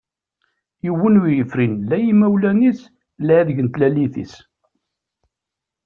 Yiwen ur yefrin la imawlan-is la adeg n tlalit-is.